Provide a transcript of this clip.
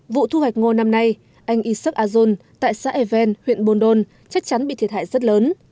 vụ thu hoạch ngô năm nay anh isaac azon tại xã ewen huyện bondol chắc chắn bị thiệt hại rất lớn